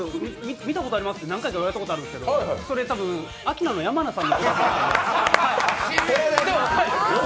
見たことありますって言われたことあるんですけどそれ、多分、アキナの山名さん。